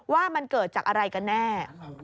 ว่ามันเกิดจากอะไรกันแน่